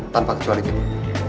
tanpa kecuali itu